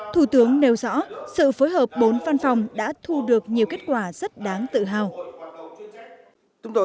thủ tướng nêu rõ sự phối hợp bốn văn phòng đã thu được nhiều kết quả rất đáng tự hào